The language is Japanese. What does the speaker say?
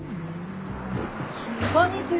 こんにちは。